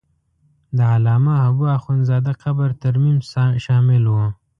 د علامه حبو اخند زاده قبر ترمیم شامل و.